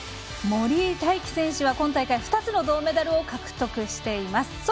森井大輝選手は今大会２つの銅メダルを獲得しています。